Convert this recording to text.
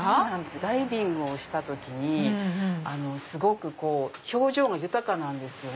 ダイビングをした時にすごく表情が豊かなんですよね